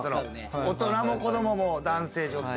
大人も子供も男性女性。